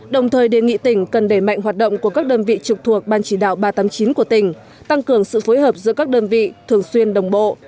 đồng thời đề nghị tỉnh cần đẩy mạnh hoạt động của các đơn vị trực thuộc ban chỉ đạo ba trăm tám mươi chín của tỉnh tăng cường sự phối hợp giữa các đơn vị thường xuyên đồng bộ